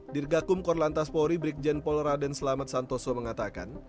dirgakum korlantas polri brikjen polraden selamat santoso mengatakan